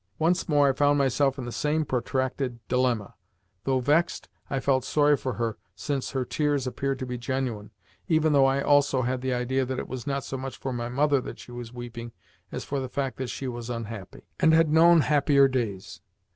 Once more I found myself in the same protracted dilemma. Though vexed, I felt sorry for her, since her tears appeared to be genuine even though I also had an idea that it was not so much for my mother that she was weeping as for the fact that she was unhappy, and had known happier days.